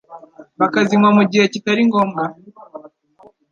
bakazinywa mu gihe kitari ngombwa